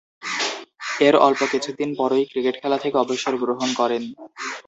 এর অল্প কিছুদিন পরই ক্রিকেট খেলা থেকে অবসর গ্রহণ করেন।